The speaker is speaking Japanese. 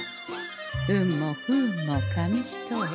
運も不運も紙一重。